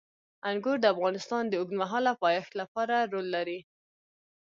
انګور د افغانستان د اوږدمهاله پایښت لپاره رول لري.